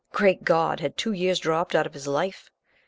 Great God! had two years dropped out of his life?